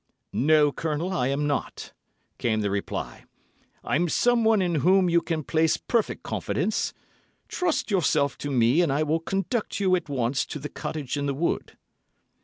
"No, Colonel, I'm not," came the reply. "I'm someone in whom you can place perfect confidence. Trust yourself to me and I will conduct you at once to the cottage in the wood."